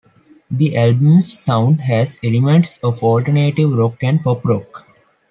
The album's sound has elements of alternative rock and pop rock.